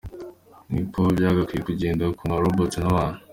Niko byagakwiye kugenda ku ma robots n’abantu.